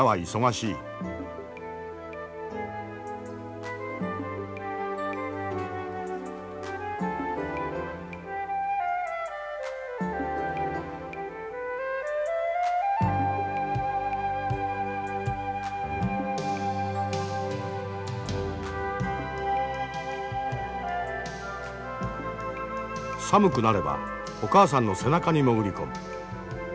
寒くなればお母さんの背中に潜り込む。